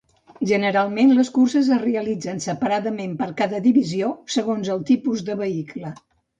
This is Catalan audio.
Generalment les curses es realitzen separadament per cada divisió segons el tipus de vehicle.